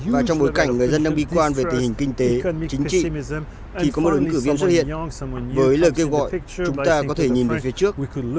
và trong bối cảnh người dân đang bi quan về tình hình kinh tế chính trị thì có một ứng cử viên xuất hiện với lời kêu gọi chúng ta có thể nhìn về phía trước